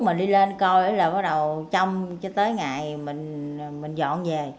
mình đi lên coi là bắt đầu trong cho tới ngày mình dọn về